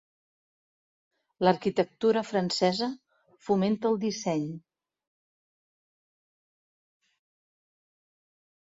L'arquitectura francesa fomenta el disseny.